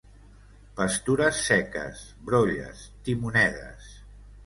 Pastures seques, brolles, timonedes.